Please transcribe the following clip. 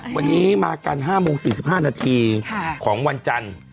วันนี้มากัน๕โมง๔๕นาทีของวันจันทร์